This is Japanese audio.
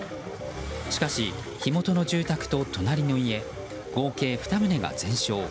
しかし、火元の住宅と隣の家合計２棟が全焼。